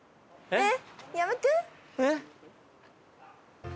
えっ！